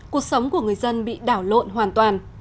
cuộc sống của người dân bị đảo lộn hoàn toàn